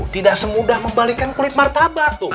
tidak semudah membalikan kulit martabat tuh